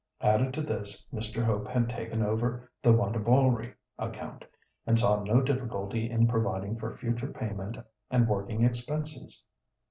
Added to this, Mr. Hope had "taken over" the Wantabalree account, and saw no difficulty in providing for future payment and working expenses.